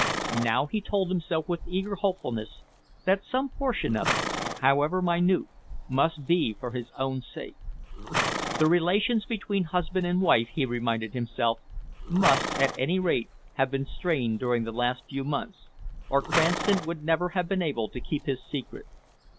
Now he told himself with eager hopefulness that some portion of it, however minute, must be for his own sake. The relations between husband and wife, he reminded himself, must, at any rate, have been strained during the last few months, or Cranston would never have been able to keep his secret.